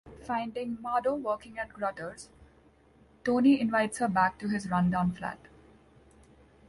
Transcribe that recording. Finding Mado working at Grutter's, Tony invites her back to his rundown flat.